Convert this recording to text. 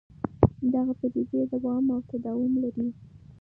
دغه پدیدې دوام او تداوم لري.